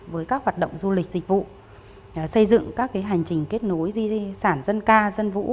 với các hoạt động du lịch dịch vụ xây dựng các hành trình kết nối di sản dân ca dân vũ